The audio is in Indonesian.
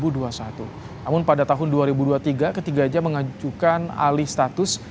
namun pada tahun dua ribu dua puluh tiga ketiganya mengajukan alih status